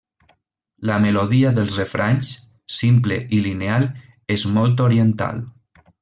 La melodia dels refranys, simple i lineal, és molt oriental.